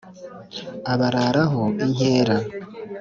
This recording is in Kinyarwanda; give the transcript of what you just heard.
Abararaho inkera